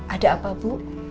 ada apa bu